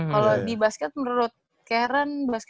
kalau di basket menurut karen